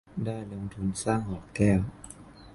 ได้ลงทุนสร้างหอแก้ว